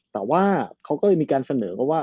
แต่ว่าเขาก็เลยมีการเสนอมาว่า